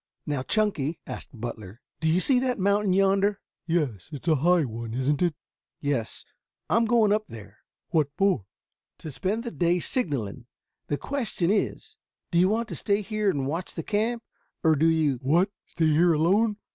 "Now, Chunky," asked Butler, "do you see that mountain yonder?" "Yes. It's a high one, isn't it?" "Yes. I am going up there." "What for?" "To spend the day signaling. The question is, do you want to stay here and watch the camp, or do you " "What! Stay here alone?